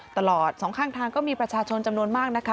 สองข้างทางก็มีประชาชนจำนวนมากนะคะ